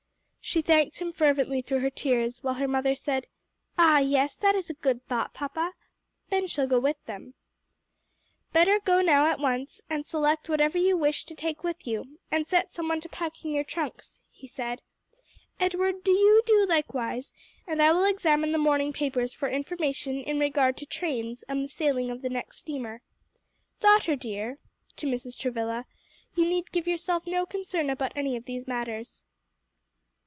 She thanked him fervently through her tears, while her mother said, "Ah yes, that is a good thought, papa! Ben shall go with them." "Better go now and at once select whatever you wish to take with you, and set some one to packing your trunks," he said. "Edward, do you do likewise, and I will examine the morning papers for information in regard to trains and the sailing of the next steamer. Daughter dear," to Mrs. Travilla, "you need give yourself no concern about any of these matters."